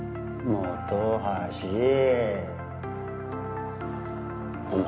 本橋お前